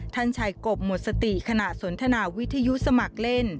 ท่านชายกบหมดสติขณะสนทนาวิทยุสมัครเล่น